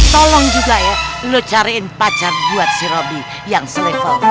tolong juga ya lu cariin pacar buat si robi yang serevel